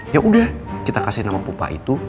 ya udah kita kasih nama pupa itu